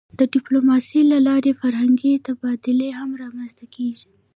د ډیپلوماسی له لارې فرهنګي تبادلې هم رامنځته کېږي.